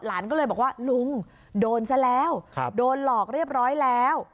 หลานก็เลยบอกว่าลุงโดนซะแล้วโดนหลอกเรียบร้อยแล้ว